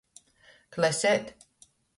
Klesēt.